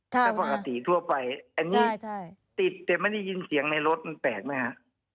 แต่ปกติทั่วไปอันนี้ติดแต่ไม่ได้ยินเสียงในรถมันแปลกไหมฮะ